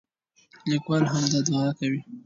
لیکوال همدا دعا کوي.